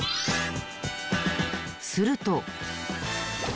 すると。